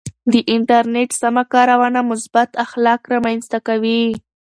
د انټرنیټ سمه کارونه مثبت اخلاق رامنځته کوي.